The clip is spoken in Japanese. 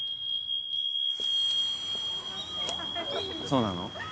そうなの？